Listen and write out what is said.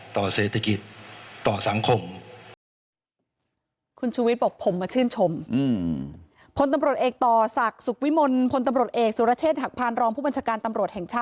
ต่อเศรษฐกิจ